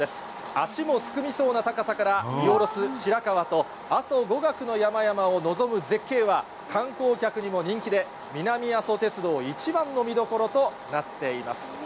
足もすくみそうな高さから、見下ろす白川と阿蘇五岳の山々を望む絶景は、観光客にも人気で、南阿蘇鉄道一番の見どころとなっています。